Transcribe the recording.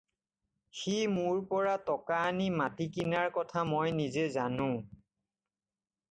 সি মোৰ পৰা টকা আনি মাটি কিনাৰ কথা মই নিজে জানোঁ।